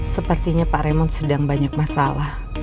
sepertinya pak remond sedang banyak masalah